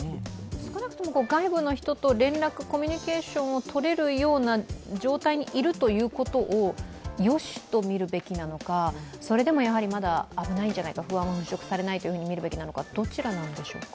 少なくとも外部の人と連絡、コミュニケーションを取れるような状態にいるということをよしと見るべきなのか、それでもやはりまだ危ないんじゃないか、不安が払拭されないと見るべきなのか、どちらなんでしょうか？